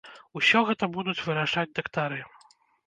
Усё гэта будуць вырашаць дактары.